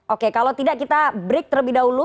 oke kalau tidak kita break terlebih dahulu